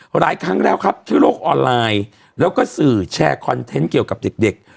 หลายครั้งแล้วครับที่โลกออนไลน์แล้วก็สื่อแชร์คอนเทนต์เกี่ยวกับเด็ก